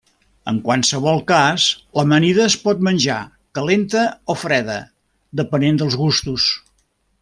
En qualsevol cas l'amanida es pot menjar calenta o freda, depenent dels gustos.